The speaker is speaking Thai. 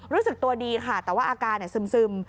รู้สึกตัวดีค่ะแต่ว่าอาการซึม